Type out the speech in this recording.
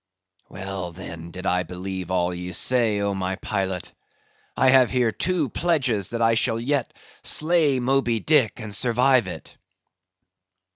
Well, then, did I believe all ye say, oh my pilot! I have here two pledges that I shall yet slay Moby Dick and survive it."